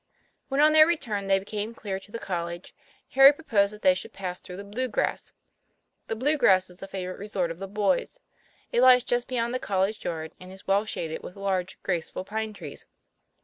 When on their return they came near the college, Harry proposed that they should pass through the "Blue grass." The "Blue grass" is a favorite resort of the boys. It lies just beyond the college yard, and is well shaded with large, graceful pine trees.